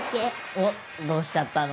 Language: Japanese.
おっどうしちゃったの？